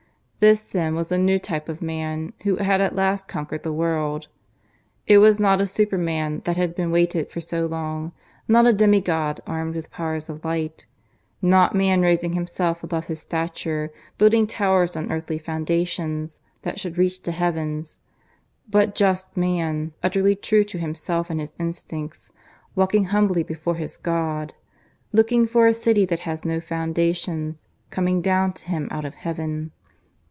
This then was the new type of man who had at last conquered the world. It was not a superman that had been waited for so long, not a demigod armed with powers of light; not man raising himself above his stature, building towers on earthly foundations that should reach to heaven; but just man, utterly true to himself and his instincts, walking humbly before his God; looking for a city that has no foundations, coming down to him out of heaven.